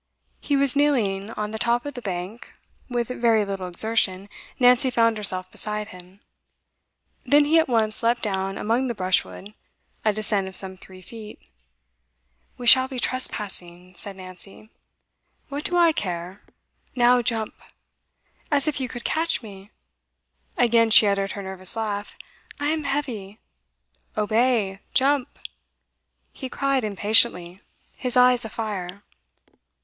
He was kneeling on the top of the bank. With very little exertion, Nancy found herself beside him. Then he at once leapt down among the brushwood, a descent of some three feet. 'We shall be trespassing,' said Nancy. 'What do I care? Now, jump!' 'As if you could catch me!' Again she uttered her nervous laugh. 'I am heavy.' 'Obey! Jump!' he cried impatiently, his eyes afire.